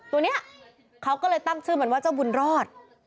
ตัวนี้เขาก็เลยตั้งชื่อมันว่าเจ้าบุญรอด